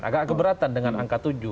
agak keberatan dengan angka tujuh